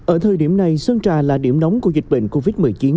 ở thời điểm này sơn trà là điểm nóng của dịch bệnh covid một mươi chín